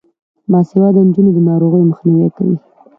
باسواده نجونې د ناروغیو مخنیوی کوي.